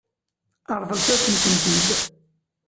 Ṛeḍlet-as-tent-id.